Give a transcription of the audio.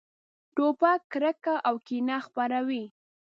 توپک کرکه او کینه خپروي.